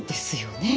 ねえ。